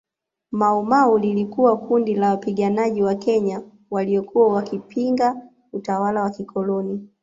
Maumau lilikuwa kundi la wapiganaji wa Kenya waliokuwa wakipinga utawala wa kikoloni